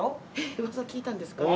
うわさ聞いたんですか？